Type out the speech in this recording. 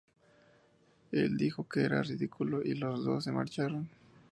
Él dijo que era ridículo y los dos se marcharon.